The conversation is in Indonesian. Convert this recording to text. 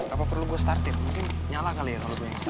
apa perlu gue startir mungkin nyala kali ya kalau gue bisa